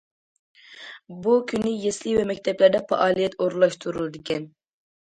بۇ كۈنى يەسلى ۋە مەكتەپلەردە پائالىيەت ئورۇنلاشتۇرۇلىدىكەن.